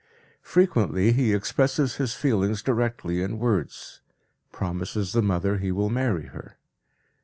Frequently he expresses his feelings directly in words, promises the mother he will marry her.